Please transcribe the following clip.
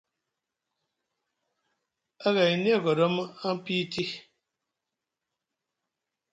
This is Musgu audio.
Aga e niyi agoɗom aŋ piyiti.